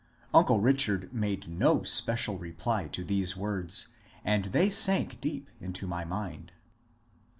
" Uncle Richard made no special reply to these words, and they sank deep into my mind.